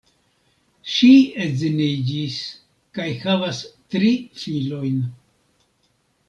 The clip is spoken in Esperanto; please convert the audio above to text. Ŝi edziniĝis kaj havas tri filojn.